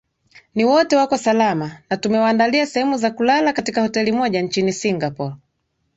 ni wote wako salama na tumewaandalia sehemu za kulala katika hoteli moja nchini singapore